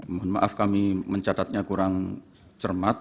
mohon maaf kami mencatatnya kurang cermat